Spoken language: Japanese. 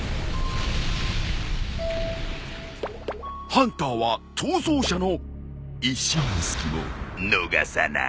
ハンターは逃走者の一瞬の隙も逃さない。